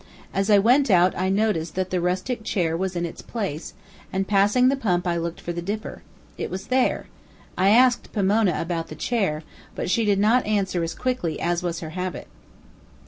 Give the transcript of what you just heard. As I went out I noticed that the rustic chair was in its place, and passing the pump I looked for the dipper. It was there. I asked Pomona about the chair, but she did not answer as quickly as was her habit.